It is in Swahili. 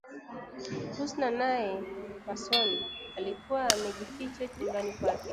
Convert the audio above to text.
Husna naye kwa soni, alikuwa amejificha chumbani mwake